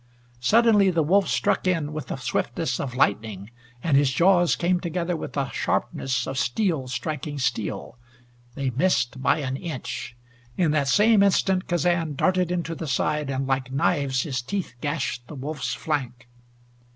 Suddenly the wolf struck in with the swiftness of lightning, and his jaws came together with the sharpness of steel striking steel. They missed by an inch. In that same instant Kazan darted in to the side, and like knives his teeth gashed the wolf's flank.